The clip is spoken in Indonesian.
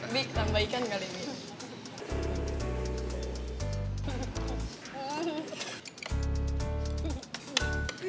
bik tambah ikan kali ini